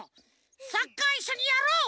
サッカーいっしょにやろう！